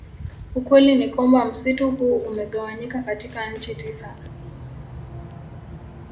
Ukweli ni kwamba msitu huu umegawanyika katika nchi tisa